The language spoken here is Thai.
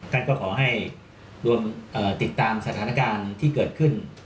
ท่านก็ขอให้รวมติดตามสถานการณ์ที่เกิดขึ้น